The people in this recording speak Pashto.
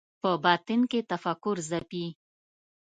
په باطن کې تفکر ځپي